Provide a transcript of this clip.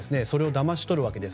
だまし取るわけです。